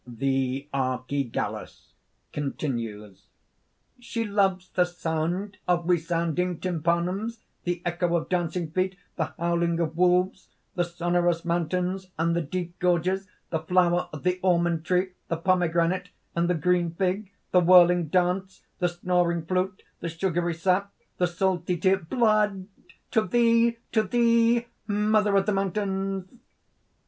_) THE ARCHIGALLUS (continues): "She loves the sound of resounding tympanums, the echo of dancing feet, the howling of wolves, the sonorous mountains and the deep gorges, the flower of the almond tree, the pomegranate and the green fig, the whirling dance, the snoring flute, the sugary sap, the salty tear, blood! To thee, to thee! Mother of the mountains!"